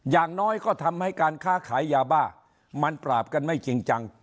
อย่างน้อยก็ทำให้การค้าขายยาบ้ามันปราบกันไม่จริงจัง